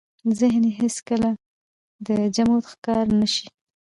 ذهن يې هېڅ کله د جمود ښکار نه شي.